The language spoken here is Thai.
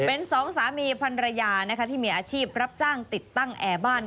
เป็นสองสามีพันรยานะคะที่มีอาชีพรับจ้างติดตั้งแอร์บ้าน